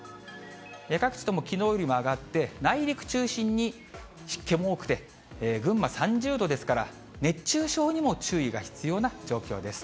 各地とも、きのうよりも上がって、内陸中心に湿気も多くて、群馬３０度ですから、熱中症にも注意が必要な状況です。